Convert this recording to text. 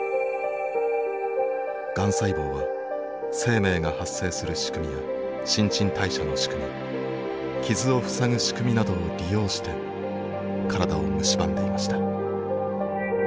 がん細胞は生命が発生する仕組みや新陳代謝の仕組み傷をふさぐ仕組みなどを利用して体をむしばんでいました。